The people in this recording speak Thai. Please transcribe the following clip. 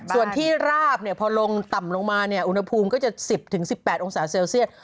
ส่วนที่ราบพอลงต่ำลงมาอุณหภูมิก็จะ๑๐๑๘องศาเซลเซียต